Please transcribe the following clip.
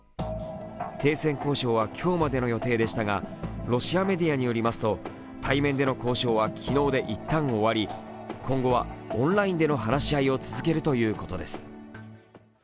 停戦交渉は今日までの予定でしたがロシアメディアによりますと対面での交渉は昨日でいったん終わり今後はオンラインでの話し合いを続けるということです。